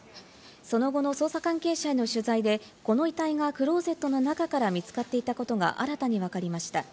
その後の捜査関係者への取材でこの遺体がクローゼットの中から見つかっていたことが新たにわかりました。